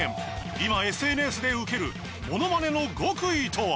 今ＳＮＳでウケるものまねの極意とは？